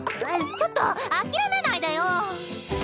ちょっと諦めないでよ。